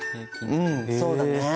うんそうだね。